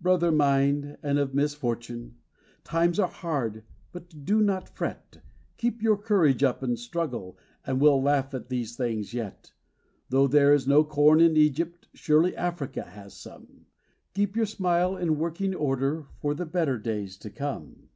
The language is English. Brother mine, and of misfortune ! times are hard, but do not fret, Keep your courage up and struggle, and we'll laugh at these things yet. Though there is no corn in Egypt, surely Africa has some Keep your smile in working order for the better days to come